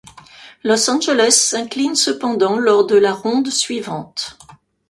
Los Angeles s'incline cependant lors de la ronde suivante.